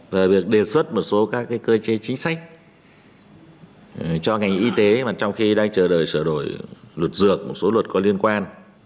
về việc đề xuất một số các cơ chế chính sách cho ngành y tế mà trong khi đang chờ đợi sửa đổi luật dược một số luật có liên quan